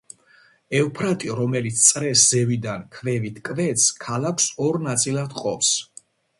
ევფრატი, რომელიც წრეს ზევიდან ქვევით კვეთს, ქალაქს ორ ნაწილად ჰყოფს.